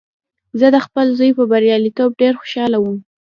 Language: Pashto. زه د خپل زوی په بریالیتوب ډېر خوشحاله وم